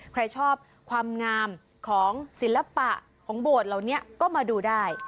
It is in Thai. ใครชอบความงามของศิลปะของโบสถ์เหล่านี้ก็มาดูได้